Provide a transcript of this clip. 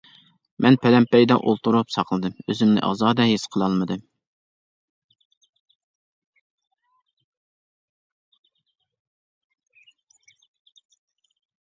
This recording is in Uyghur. مەن پەلەمپەيدە ئولتۇرۇپ ساقلىدىم، ئۆزۈمنى ئازادە ھېس قىلالمىدىم.